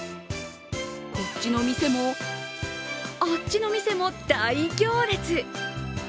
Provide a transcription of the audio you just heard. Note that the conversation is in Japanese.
こっちの店も、あっちの店も大行列。